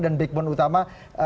dan backbone utama